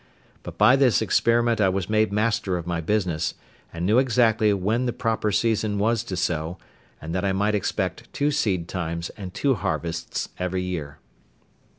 But by this experiment I was made master of my business, and knew exactly when the proper season was to sow, and that I might expect two seed times and two harvests every year.